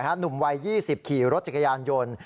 หนุ่มวัย๒๐ขี่รถจักรยานยนต์